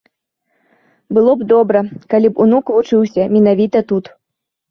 Было б добра, калі б унук вучыўся менавіта тут.